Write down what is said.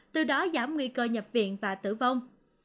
từ đó giảm nguy cơ nhập viện và tử vong